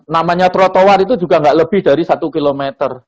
namanya trotoar itu juga nggak lebih dari satu km